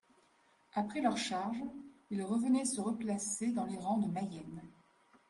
Après leur charge, ils revenaient se replacer dans les rangs de Mayenne.